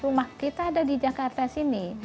rumah kita ada di jakarta sini